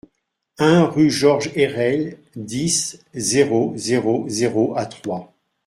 un rue Georges Herelle, dix, zéro zéro zéro à Troyes